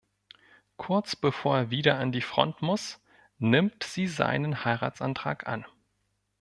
Kurz bevor er wieder an die Front muss, nimmt sie seinen Heiratsantrag an.